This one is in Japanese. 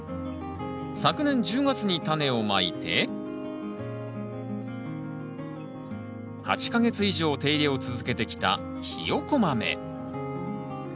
昨年１０月にタネをまいて８か月以上手入れを続けてきたヒヨコマメ。